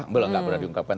belum gak pernah diungkapkan